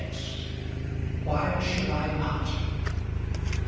WHY SHOULD I NOT?